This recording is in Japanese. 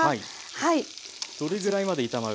はい。